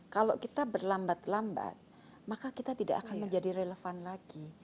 kalau kita berlambat lambat maka kita tidak akan menjadi relevan lagi